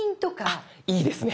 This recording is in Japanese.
あっいいですね。